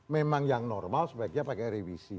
memang yang normal sebaiknya pakai revisi